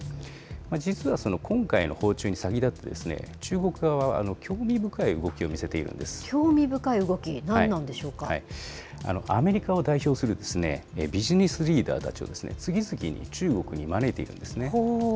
実はその今回の訪中に先立って、中国側は興味深い動きを見せてい興味深い動き、何なんでしょアメリカを代表するビジネスリーダーたちを、次々に中国に招いているんですね。